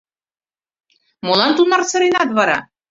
Молан тунар сыренат вара?